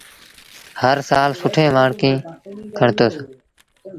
هر سآل سُٺين مآرڪيٚن کڻتوس